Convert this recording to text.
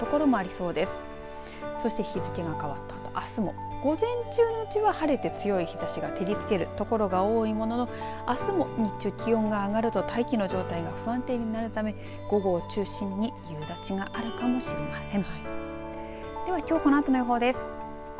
そして日付が変わったあとあすも午前中の内は晴れて強い日ざしが照りつけるところが多いもののあすも日中気温が上がると大気の状態が不安定になるため午後を中心に夕立があるかもしれません。